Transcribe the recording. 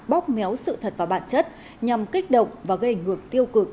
bóc méo sự thật và bản chất nhằm kích động và gây ngược tiêu cực